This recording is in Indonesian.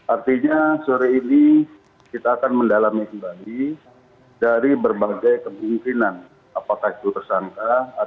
artinya sore ini kita akan mendalami kembali dari berbagai kemungkinan apakah itu tersangka